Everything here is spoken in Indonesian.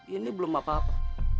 ini belum apa apa